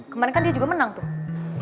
kemarin kan dia juga menang tuh